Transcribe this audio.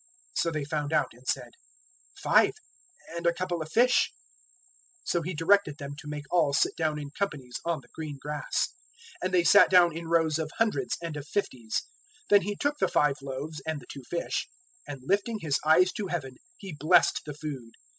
So they found out, and said, "Five; and a couple of fish." 006:039 So He directed them to make all sit down in companies on the green grass. 006:040 And they sat down in rows of hundreds and of fifties. 006:041 Then He took the five loaves and the two fish, and lifting His eyes to Heaven He blessed the food.